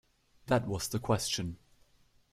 That was the question.